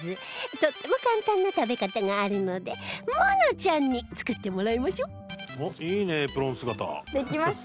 とっても簡単な食べ方があるので愛菜ちゃんに作ってもらいましょうできました。